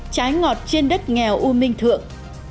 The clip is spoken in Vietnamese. trái ngọt trên đất nghèo u minh thượng